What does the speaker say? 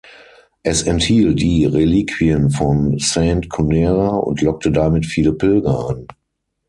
Es enthielt die Reliquien von Saint Cunera und lockte damit viele Pilger an.